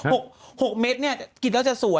เผาอะไรกันไปแล้ว